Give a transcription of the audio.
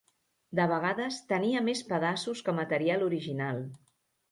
De vegades tenia més pedaços que material original